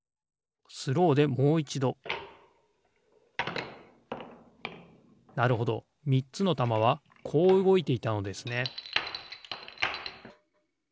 スローでもういちどなるほどみっつのたまはこううごいていたのですね